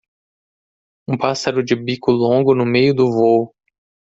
Um pássaro de bico longo no meio do vôo.